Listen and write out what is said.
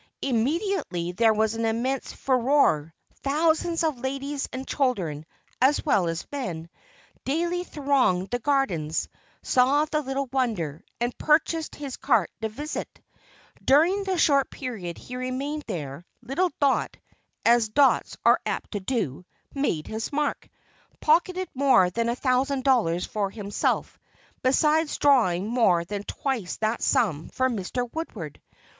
Immediately there was an immense furore thousands of ladies and children, as well as men, daily thronged the Gardens, saw the little wonder, and purchased his carte de visite. During the short period he remained there, little "Dot," as dots are apt to do, "made his mark," pocketed more than a thousand dollars for himself, besides drawing more than twice that sum for Mr. Woodward.